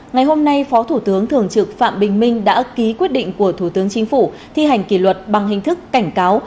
ngày hôm nay phó thủ tướng thường trực phạm bình minh đã ký quyết định của thủ tướng chính phủ thi hành kỷ luật bằng hình thức cảnh cáo